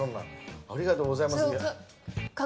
ありがとうございます。